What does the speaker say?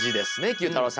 ９太郎さん。